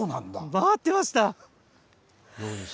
待ってました。